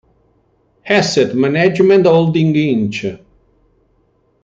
Asset Management Holdings Inc.